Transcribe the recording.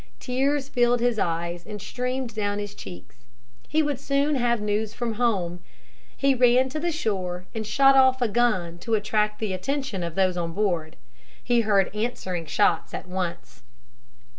Tears filled his eyes and streamed down his cheeks. He would soon have news from home. He ran to the shore and shot off a gun to attract the attention of those on board. He heard answering shots at once.